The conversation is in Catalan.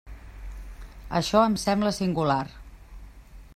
Això em sembla singular.